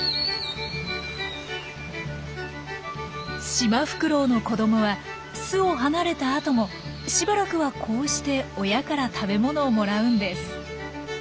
シマフクロウの子どもは巣を離れた後もしばらくはこうして親から食べ物をもらうんです。